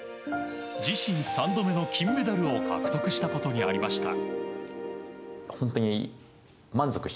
自身３度目の金メダルを獲得したことにありました。